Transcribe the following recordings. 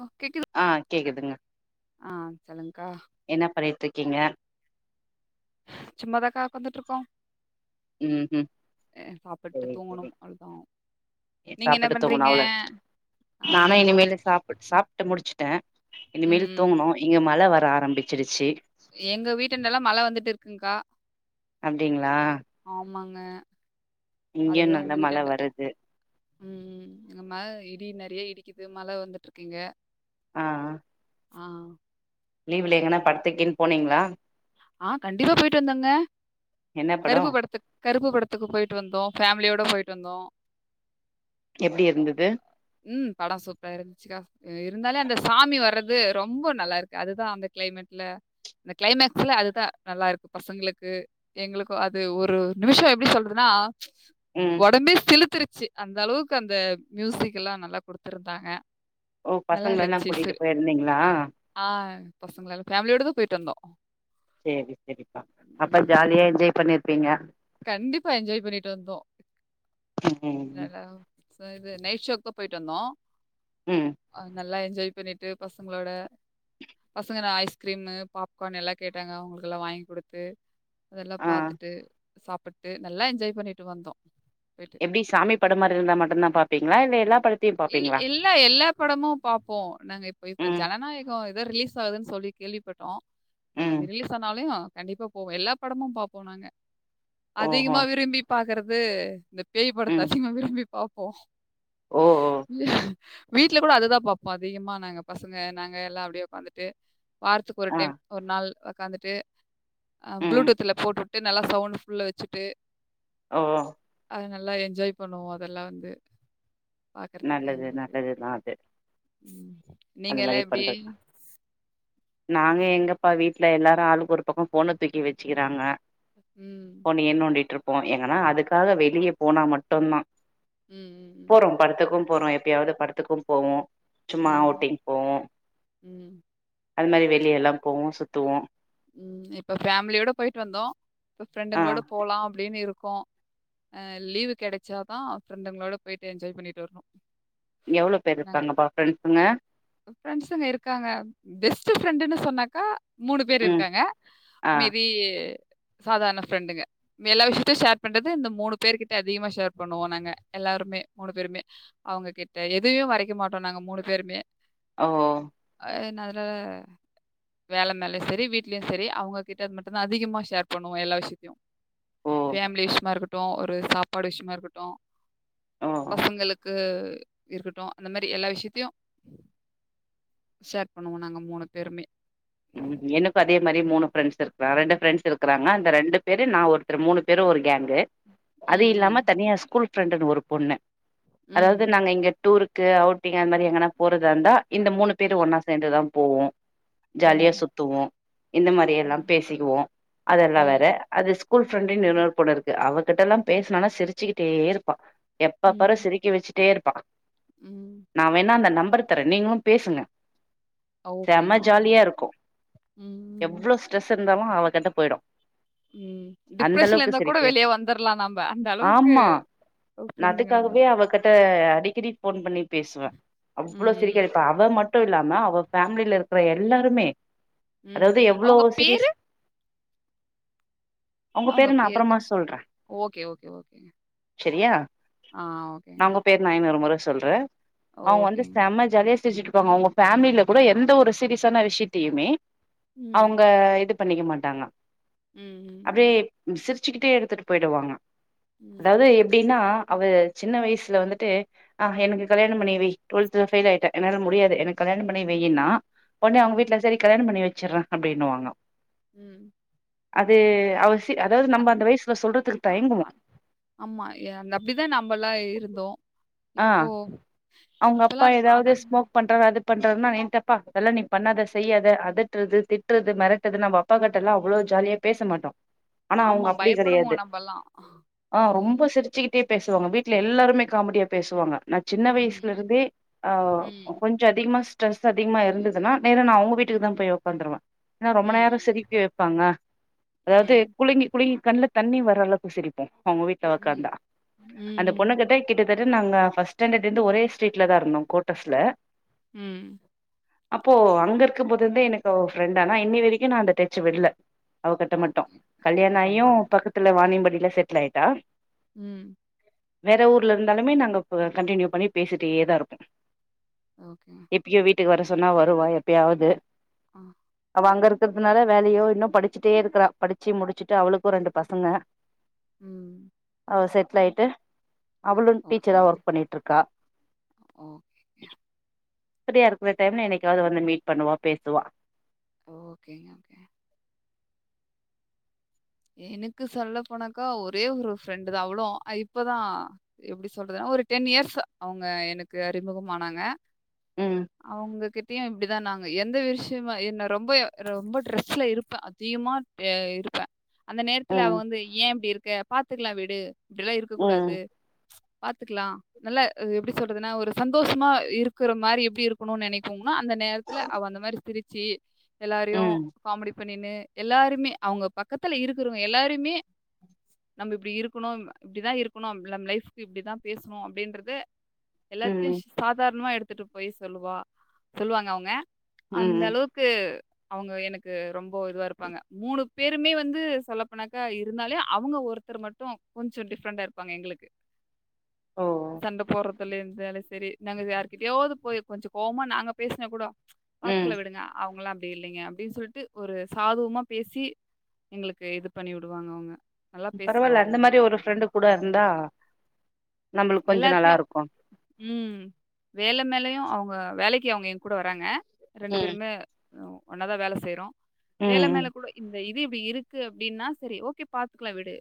ஓ கெக்லு ஆ கேட்குதுங்க ஆ சொலுங்கக்கா என்ன பண்ணிட்டுருக்கீங்க சும்மாதாக்க ஒக்காந்துட்டு இருக்கோ ம் ம் அ சாப்பிட்டு சரி சரி தூங்கணும் அவ்வளோ தா நீங்க என்ன சாப்பிட்டு தூங்கணும் பண்றீங்க அவ்ளோ நானு ஆமாங்க்கா இனிமேலு சாப் சாப்ட்டு முடிச்சிட்ட ம் இனிமேல் ம் தூங்கணு இங்க மழ வர ஆரம்பிச்சிருச்சு எங்க வீட்டுனல்ல மழ வந்துட்டு இருக்குங்க்கா அப்டிங்களா ஆமாங்க இங்கேயு அதுக்குதா நல்ல உங்க மழ வீட்டாண்ட வருது ம் ஆமா இடி நறைய இடிக்குது மழ வந்துட்டு இருக்கு இங்க ஆ ஆ ஆ லீவ்ல எங்கன்னா படத்துக்கின் போனீங்களா ஆ கண்டிப்பா போய்ட்டு வந்தங்க என்ன படோ கருப்பு படத்து கருப்பு படத்துக்கு போய்ட்டு வந்தோ ஃபேமிலியோட போய்ட்டு வந்தோ எப்டி இருந்தது ம் படோ சூப்பர இருந்துச்சுக்கா இருந்தாலே அந்த சாமி வர்றது ரொம்ப நல்லா இருக்கு அதுதா அந்த கிளைமேட்ல இந்த கிளைமேக்ஸ்ல அதுதா நல்லா இருக்கு பசங்களுக்கு எங்களுக்கு அது ஒரு நிமிஷோ எப்டி சொல்றதுன்னா ம் உடம்பே சிலுத்துருச்சு அந்த அளவுக்கு அந்த மியூசிக் எல்லா நல்லா குடுத்துருந்தாங்க ஓ பசங்கலெல்லா கூட்டிட்டு போயிருந்தீங்களா ஆ பசங்களல ஃபேமிலியோட தா போய்ட்டு வந்தோ சரி சரிப்பா அப்ப உம் ஜாலியா என்ஜாய் பண்ணிருப்பீங்க கண்டிப்பா என்ஜாய் பண்ணிட்டு வந்தோ ம் ம் நல்லா ச இது நைட்டு ஷோக்கு போய்ட்டு வந்தோ ம் நல்ல என்ஜாய் பண்ணிட்டு பசங்களோட பசங்கன ஐஸ்கிரீமு பாப்கார்ன் எல்லா கேட்டாங்க அவுங்களுக்குல்லா வாங்கி குடுத்து அதெல்லா ஆ பாத்துட்டு நல்லா என்ஜாய் பண்ணிட்டு வந்தோ வீட் ப்டி சாமி படமா இருந்தா மட்டு தா பாப்பிங்களா இல்ல எல்லா பட இல் இல்ல எல்லா படமு பாப்போ நாங்க இப்ப இப்ப ம் ஜனநாயகோ வேர் ரிலீஸ் ஆகுதுன்னு சொல்லி கேள்விப்பட்டோ ம் அது ரிலீஸ் ஆனாலு கண்டிப்பா போவோ எல்லா படமு பாப்போ நாங்க ஓஹோ அதிகமா விரும்பி பாக்கறது இந்த பேய் ம் படத்த [unintelligible] விரும்பி பாப்போ ஓ ஓ வீட்ல கூட அதுதா பாப்போ அதிகமா நாங்க பசங்க நாங்க எல்லா அப்டியே உக்காந்துட்டு வாரத்துக்கு ஒரு ஆ டைம் ஒரு நாள் உக்காந்துட்டு அ ம் ப்ளூடூத்துல போட்டு நல்லா சவுண்ட் ஃபுல்லா வச்சுட்டு ஓ அது நல்லா என்ஜாய் பண்ணுவோ அதெல்லா வந்து பார்க்கறதுக்கு நல்லது எங்களுக்கு. நல்லதுதா அது ம். அந்த நீங்கலாம் மாரி எப்படி? பண்றது நாங்க எங்கப்பா வீட்ல எல்லாரு ஆளுக்கு ஒரு பக்கோ ஃபோன தூக்கி வச்சுக்கிறாங்க ம் போனயே நோண்டிட்ருப்போ எங்கன்னா அதுக்காக வெளிய போனா மட்டுந்தா ம் ம் ம் போறோ படத்துக்கு போறோ எப்பயாவது படத்துக்கு போவோ சும்மா ம். அவுட்டிங் போவோ ம், ம். அது மாரி வெளியெல்லா போவோ சுத்துவோ ம் இப்ப ஃபேமிலியோட போய்ட்டு வந்தோ இப்ப ஆ ஃப்ரெண்டுங்களோட போலா அப்டின்னு இருக்கோ அ லீவு கெடைச்சாதா ஃப்ரெண்டுங்களோட போயிட்டு ஏன்ஜாய் பண்ணிட்டு வரணு எவ்ளோ பேர் இருப்பாங்கப்பா ஃப்ரெண்ட்ஸுங்க ஃப்ரெண்ஸுங்க இருக்காங்க பெஸ்ட் ஃப்ரெண்ட்டுனு சொன்னாக்கா மூணு பேர் ம் இருக்காங்க ஆ மேபி சாதாரண ஃப்ரெண்டுங்க எல்லா விஷயத்தையு ஷேர் பண்றது இந்த மூணு பேர் கிட்ட அதிகமா ஷேர் பண்ணுவோ நாங்க எல்லாருமே மூணு பேருமே அவுங்க கிட்ட எதயு மறைக்க மாட்டோ நாங்க மூணு பேருமே ஓ அதுனால வேல மேல சேரி வீட் லயு செரி அவுங்ககிட்ட மட்டு தா அதிகமா சேர் பண்ணுவோ எல்லா விஷயத்தயு ஓ பேமிலி விஷமாருக்க ஓ ஒரு சாப்பாடு விஷயமாருக்கட்டு ஓ பசங்களுக்கு இருக்கட்டு அந்த மாரி எல்லா விஷயத்தயு ஷேர் பண்ணுவோ நாங்க மூணு பேருமே ம் எனக்கு அதே மாரியே மூணு ஃப்ரெண்ட்ஸ் இருக்றா ரெண்டு ஃப்ரெண்ட்ஸ் இருக்குறாங்க அந்த ரெண்டு பேரு நா ஒரு மூணு பேரு ஒரு கேங்கு அது ம், ம், இல்லாம தனியா ஸ்கூல் ஃப்ரெண்டன்னு ஒரு பொண்ணு அதாவது ம், நாங்க இங்க டூருக்கு அவுட்டிங் அந்த மாரி எங்கனா போறதாருந்தா இந்த மூணு பேரு ஒன்னா சேந்துதா போவோ ஜாலிய ம், சுத்துவோ இந்த மாரி எல்லாம் பேசிக்குவோ அதெல்லா வேற ம், அது ஸ்கூல் ஃப்ரெண்டுனு இன்னொரு பொண்ணுருக்கு அவகிட்டல்லாம் பேசனனா சிரிச்சிக்கிட்டேருப்பா எப்பா பாரு ம், சிரிக்கா வச்சிடே இருப்பா ம் நா வேணா அந்த நம்பர் தரே நீங்களு பேசுங்க செம ஓகேங்க ஓகே ஜாலியா இருக்கு எவ்ளோ ஸ்ட்ரெஸ் இருந்தாலு அவ கிட்ட போய்டு ம் டிப்ரஷன்ல இருந்தா கூட வெளிய வந்துற்லா நாம அந்த அளவுக்கு ஆமா நா ஃப்ரெண்டுங்க அதுக்காகவே நம்மளுக்கு. அவக்கி ட்ட அடிக்கடி போன் பண்ணி பேசுவே அவ்ளோ ம், சிரிக்க ம், வைப்பா இப்ப அவ மட் டு இல்லாம அவ ஃபேமிலில இருக்கற எல்லாருமே ம். அதாவது எவ்ளோ அவங்க பேரு? சீரியஸா [inaudible] அவுங்க நா பேருக்கு அப்புறமா ஓகே ஓகே ஓகேங்க செரியா ஆ ஓகேங்க நானு ஒரு முறை சொல்றே அவுங்க வந்து ஓகேங்க. செம்ம ஜாலியா சிரிச்சுட்ருப்பாங்க அவுங்க பேமிலில கூட எந்த ஒரு சீரியஸான விஷயத்தயுமே ம், அவுங்க இது பண்ணிக்க மாட்டாங்க ம், அப்டியே ம், சிரிச்சுக்கிட்டே எடுத்துட்டு போய்டுவாங்க அதாவது ம், எ ப்டின்னா அவ சின்ன வயசுல வந்துட்டு ஆ எனக்கு கல்யாணம் பண்ணி வை டொல்த் ஃபெயில் ஆயிட்டே என்னால முடியாது எனக்கு கல்யாணோ பண்ணி வைனா உடனே அவுங்க ம், வீட்ல செரி கல்யாணம் பண்ணி வச்சிட்றே அப்டின்னுவாங்க ம் அது அவசிய அதாவ்து நம்ம அந் அந்த வயசுல சொல்றது ஆமா அது அப்டிதா நம்மல்லா இருந்தோ ஓ அவுங்க அப்பா ஏதாவது ஸ்மோக் பண் அ அது பண்றது என்ட்ட அப்பா அதெல்லா நீ பண்ணாத செய்யாத அதட்றது திட்றது மெரட்றது அப்பாக்கிட்ட எல்லா அவ்ளோ ஜாலியா பேச மாட்டோ ஆனா ஆமா அவங்க அப்டி கெடையாது பயப்படுவோ நம்பல்லா ஆ ரொம்ப சிரிச்சுகிட்டே பேசுவாங்க வீட்ல எல்லாருமே காமெடியா பேசுவாங்க நா சின்ன ம். துல இருந்தே ம். கொஞ்சோ அதிகமா ஸ்ட்ரெஸ் அதிகமா இருந்ததுன்னா நேர நா அவுங்க ம். வீட்டுக்கு தா போய் உக்காந்ருவ ஏன ரொம்ப நேரோ ம். சிரிக்க வப்பாங்க அதாவ்து ம். குலங்கி குலுங்கி கண்ல தண்ணி வர்றல அளவுக்கு சிரிப்போ அவுங்க வீட்ல ம். உக்காந்தா ம். அந்த ம். பொண்ணுக்கிட்ட கிட்டத்தட்ட நாங்க ஃபஸ்ட்டு ஸ்டாண்டர்லந்து ஒரே ஸ்ட்ரீட்லதா இருந்தோ குவாட்ரஸ்ல்ல ம் அப்போ அங்க இருக்கம்போதுல இருந்தே எனக்கு அவ ஃப்ரெண்டனா இன்னியவரைக்கு நா அந்த டச்ச விடல அவகிட்ட மட்டு ஓகே. ரொம்ப கல்யாணமாயு நல்லது. பக்கத்ல வானியம்பாடியில செட்லு ஆயிட்டா ம் வேற ஊர்ல இருந்தாலுமே நாங்க கண்ட்னியூ பண்ணி பேசிட்டேதா இருப்போ ஓகே எப்பியோ வீட்டுக்கு வர சொன்னா வருவா எப்பயாவது ஆ அவ அங்க இருக்றதுனால வேலையோ இன்னு படிச்சுட்டே இருக்றா படிச்சு முடிச்சுட்டு அவளுக்கு ரெண்டு பசங்க [unintelligible] ம் அவ செட்லு ஆயிட்டு அவ்ளு டீச்சரா ஓகேங்க. ஒர்க் பண்ணிட்ருக்கா ஓகே ஃப்ரியா இருக்ற டைம்ல என்னைக்காவது வந்து மீட் பண்ணுவா பேசுவா ஓகே ஓகே எனக்கு சொல்ல போனாக்கா ஒரே ஒரு ஃப்ரெண்டுதா அவ்ளோ இப்பதா எப்டி சொல்றதுன்னா ஒரு டென் இயர்ஸ் அவங்க எனக்கு அறிமுகமானாங்க ம் அவுங்க கிட் இப்டிதா நாங்க எந்த விஷ்யமா என்ன ரொம்ப ரொம்ப ட்ரெஸ்ல் இருப்பே அதிகமாக இருப்பே அந்த நேரத்துல அவ ம் வந்து ஏ இப்டி இருக்க பாத்துக்லா விடு இப்டில்லா இருக்க கூடாது ம் பாத்துக்லா நல்ல எப்டி சொல்றதுனா ஒரு சந்தோஷமா இருக்குற மாரி எப்டி இருக்கணுனு நெனை போம்னா அவ அந்த நேரத்துல அவ அந்த மாதிரி சிரிச்சி எல்லாரையு ம் காமெடி பண்ணின்னு எல்லாருமே அவுங்க பக்கத்துல இருக்குறவங்க எல்லாருமே நம்ம இப்டி இருக்குணு இப்டிதா இருக்குணு நம்ம லைஃபு இப்டிதா பேசணு அப்டின்றத எல்லாத்தையு ம் சாதாரணமா எடுத்துட்டு போய் சொல்லுவா சொல்லுவாங்க அவுங்க அந்த ம் அளவுக் கு அவுங்க எனக்கு ரொம்ப இதுவா இருப்பாங்க மூணு பேர் மே வந்து சொல்லப்போனாக்கா இருந்தாலே அவுங்க ஒருத்தர் மட்டு கொஞ்சோ டிஃப்ரெண்டா இருப்பாங்க எங்ளுக்கு ஓ சண்ட போட்றது சொல்லிஇருந்தாலு சரி நாங்க யார்கிட்டயாவது போய் கொஞ்சோ கோவமா நாங்க பேசின கூட ம் பாத்துக்ல விடுங்க அவுங்களா அப்டி இல்லைங்க அப்டின்னு சொல்ட்டு ஒரு சாதுவமா பேசி எங்ளுக்கு இது பண்ணி விடுவாங்க அவுங்க பரவாயில்ல அந்த மாரி ஒரு ஃப்ரெண்டு கூட இருந்தா நம்மளுக்கு கொஞ்ச நல்லா எல்லாத்யு இருக்கு ம் வேலே மேலயு அவ்ங்க வேலைக்கி அவ் என்கூட வராங்க ரெண்டு ம் பேருமே ஒவ் ஒன்னாதா வேல செய்றோ வேலே ம் மேல கூடோ இந்த இது இப்டி இரு க்கு அப்டின்னா சரி ஓகே பாத்துக்கலா விடு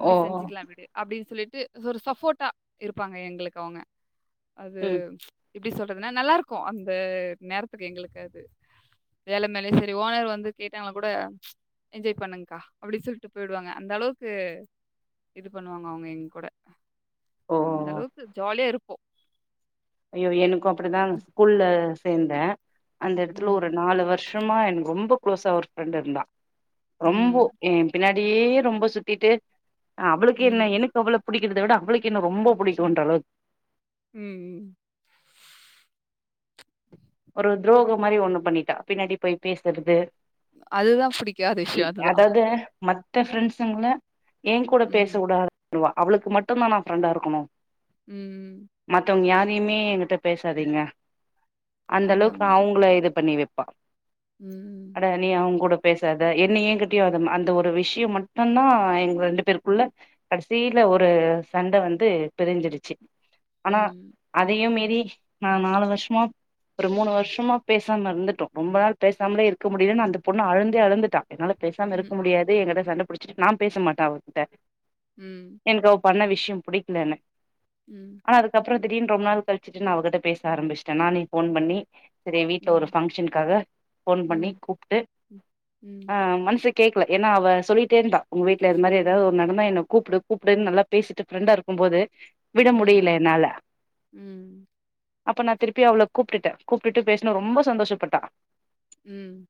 ஓ இப்டி செஞ்சிக்லா விடு அப்டி சொல்லிட்டு தொரு சஃபோர்ட்டா இருப்பாங்க எங்களுக்க அவ்ங்க ம் அதும் இப்டி சொல்றதுன்னா நல்லார்க்கோ அந்த நேரத்துக்கு எங்களுக் அது வேல மேல்யே செரி ஓனர் வந்து கேட்டாங்களா கூட என்ஜாய் பண்ணுங்க்கா அப்டி சுல்ட்டு போய்டுவாங்க அந்த் அளவ்க்கு இது பண்ணுவாங்க அவ்ங்க எங் கூட ஓ அந்த அளவுக்கு ஜாலியா இருப்போ ஐயோ எனக்கு அப்படிதாங் ஸ்கூல்ல சேந்தே அந்த எடத்துல ஒரு ம். நாலு வர்ஷ் ட்டம்மா என்க்கு ரொம்ப க்ளோஸா ஒரு ஃப்ரெண்ட் இருந்தா ரொம்போ ம். ஏன் பின்னாடியே ரொம்ப சுத்திட்டு ஆ அவ்ளுக்கே என்ன ம். எனக்கு அவ்ளப் புடிக்கித விட அவ்ளுக்கு என்ன ரொம்ப புடிக்குன்ற அளவ் ம்ம் ஒரு த்ரோகோ மாரி ஒண்ணு பண்ணிட்டா பின்னாடி போய் பேசுற்து அதுதான் ஃபுடிக்காத விஷ்யோ அதுதா அதாவது மத்த ஃப்ரெண்ஸுங்ள ஏ கூட ம். பேசவுடாத் உவா அவளுக் மட்டுனா நா ஃப்ரெண்டா இருக்கணு ம்ம் மத்தவங் யாரையுமே எங்கிட்ட பேசாதீங்க அந்த அளவ்க் அவ்ங்கள இது பண்ணி வெப்பா ம் உ எட நீ அவ்ங் கூட பேசாத என்ன ஏங்கிட்யு அதும் அந்த ஒரு விஷ்யும் மட்டன்தா எங் ரெண்டு பேர்க்குள்ள கடிசீல ஒரு சண்ட வந்து பிரிஞ்சிடுச்சி ஆனா ம். அதையு மீறி நா நாலு வர்ஷமா ப்ரு மூணு வர்ஷமா பேசாம இருந்துட்டோ ரொம்ப நாள் பேசாம்லே இருக்க முடிலன் அந்த பொண்ணு அழுந்தே அழுந்துட்டா என்னால பேசாம் ம். இருக் முடியாது என்கிட்ட சண்ட புடிச்சிட்டு நா பேசமாட்டே அவகிட்ட ம் என்க் அவ் பண்ண விஷ்யம் புடிக்ல என ம் ஆனா அதுக்கப்றோ திடீன் ரொம்ப நாள் கழிச்சட்டு நா அவகிட்ட பேச ஆரம்பிச்ட்டேனா நீ ஃபோன் பண்ணி சரி எ வீட்ல ஒரு ம். ஃபங்க்ஷன்க்காக ஃபோன் ம். பண்ணி ம். கூப்ட்டு ம். அ மன்செக் கேக்ல ஏன்னா அவ சொல்லிட்டேர்ந்தா உங்க வீட்ல இரு மாரி ஏதாவ் நடந்தா என்ன கூப்டு கூப்டு நல்லா பேசிட்டு ஃப்ரெண்டா இருக்கும் போது விட ம். முடியில என்னால ம். அப்ப நா திருப்பி அவ்ளோக் கூப்ட்டுட்ட கூப்ட்டுட்டு பேஸ்னா ரொம்ப சந்தோஷப்பட்டா ம்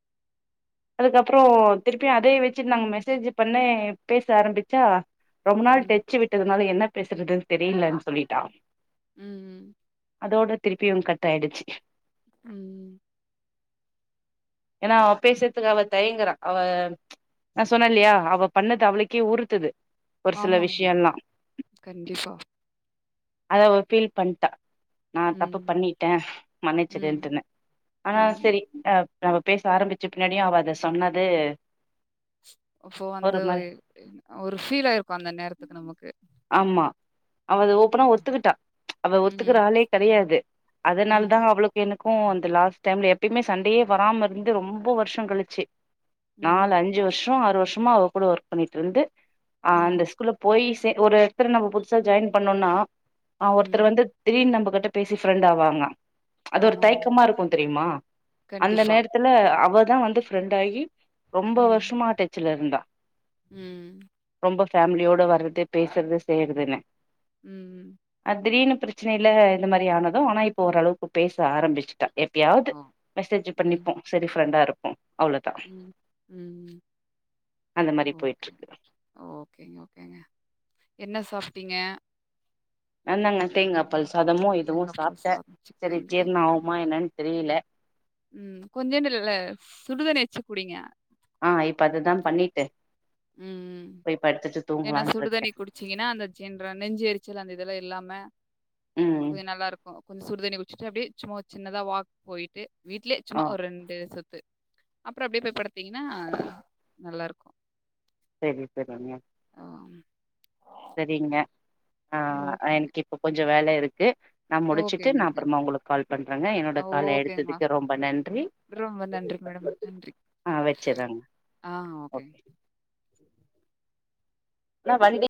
அதுக்கப்றோ திருப்பியு அதே வெச்சிர்னாங்க மெசேஜ் பண்ணே பேச ஆரம்பிச்சா ரொம்ப நாள் ம். டெச்சு விட்டதுனால என்ன பேசுறதுன் தெரிலன் சொல்லிட்டா ம் ம் அதோட திருப்பியு கட் ஆய்டுச்சு ம் ஏன்னா அவ பேசுற்த்துக்கு அவ தயங்குறா அவம் நா சொன்னேல்லியா அவ பண்ணது அவ்ளுக்கே உறுத்துது ஒரு சில ஆமாங் மேம் விஷயம்லா கண்டிப்பா அத அவ ஃபீல் பண்ட்டா நா தப்பு ம். பண்ணிட்டே ம். மன்னிச்சுடுன்ட்டுனு ஆனா ம். செரி அ நம்ம பேச ஆரம்பிச்ச பின்னாடி அவ அத சொன்னது இப்ப ஒரு வந்து மாரி ஒரு ஃபீல் ஆயிருக்கு அந்த நேரதுகு நமக்கு ஆமா அவ அத ஓப் அப்பதா ஒத்துக்கிட்டா அவ ம். ஒத்துக்கிற ஆளே கெடயாது அதனால தா ம். அவளுக் எனக்கு அந்த லாஸ்ட்டைம்ல எபயுமே சண்டேயே வராம இருந்து ரொம்ப வர்ஷோ கழிச்சு ம். நாலு அஞ்சு வருஷ்சோ ஆறு வருஷமா அவ கூட ஒர்க் பண்ணிட்டுருந்து அ ம். அந்த ஸ்கூல்ல போய் சே ஒரு எடத்துல நம்ம புதுசா ஜாயின் பண்ணோனா ஒருத்தர் ம். வந்து திடீர்னு நம்ப கிட்ட பேசி ஃப்ரெண்ட் ஆவாங்க அது ஒரு ஆமாங்க. தயக்கமா இருக்கு தெரியுமா அந்த கண்டிப்பா. நேரத்துல அவதா வந்து ஃப்ரெண்ட் ஆகி ரொம்ப ம். வருஷமா டச்சுல இருந்தா ம். ரொம்ப பேமிலியோட வறது பேசுறது செய்யறதுனு ம் அ திடீர்னு பிரச்சனைல இந்த மாரி ஆனது ஆனா இப்ப ஓரளவுக்கு பேச ஆரம்பிச்சுட்டா எப்பயாது ஓ! மெசேஜ் ம். பண்ணிப்போ செரி ப்ரெண்டாருப்போ அவ்ளோதா ம். ம். அந்த மாரி ஓகே. போய்ட்டுருக்கு ஓகேங்க ஓகேங்க என்ன சாப்ட்டீங்க நாந்தாங்க தேங்காபால் சாதமு இதுவு தேங்காய் பால் சாப்ட்டே சாதம், செரி சிக்கன் கிரேவி. ஜிரணம் ஓ! ஆகுமா என்னன்னு தெரியல ம் கொஞ்சோண்டு இல்ல சுடுதண்ணி வச்சு குடிங்க ஆ இப்ப அதுதா பண்ணிட்டு ம் [unintelligible] படுத்துட்டு ஏன தூங்கலான்ட்டு இருக்கே சுடுதண்ணி குடிச்சீங்கனா அந்த சின்ரா நெஞ்சு எரிச்சல் அந்த இதல்லா இல்லாம ம் கொஞ்ச நல்லாருக்கு கொஞ்ச சுடு தண்ணி குச்சிட்டு அப்டியே சும்மா சின்னதா வாக் போயிட்டு வீட்லயே சும்மா ஆ ஒரு ரெண்டு சுத்து அப்ரோ அப்டியே போய் படுத்தீங்னா நல்லாருக்கு சேரி செரிங்க ஆம் [inaudible] சரிங்க ஆ எனக்கு இப்ப கொஞ்ச வேலருக்கு நா முடிச்சிட்டு ஓகேங்க. நா ஓகே அப்பறமா உங்குளுக்கு கால் பண்றேங்க என்னோட கால் ஓகேங்கம்மா. எடுத்ததுக்கு ரொம்ப நன்றி ரொம்ப நன்றிங் மேடம் நன்றி ஆ வச்சறேங்க ஆ ஓகேங்க நா வண்டி